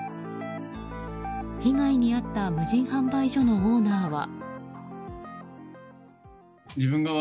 被害に遭った無人販売所のオーナーは。